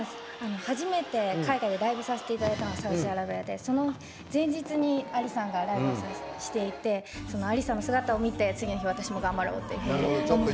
初めて海外でライブさせていただいたのがサウジアラビアでその前日にＡＬＩさんがライブをしていて次の日、私も頑張ろうって。